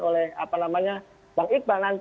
oleh bang iqbal